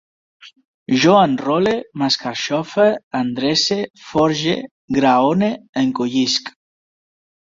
Jo enrole, m'escarxofe, endrece, forge, graone, encollisc